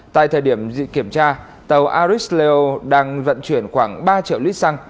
tại thời điểm dị kiểm tra tàu aris leo đang vận chuyển khoảng ba triệu lít xăng